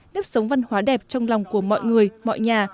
nếp sống văn hóa đẹp trong lòng của mọi người mọi nhà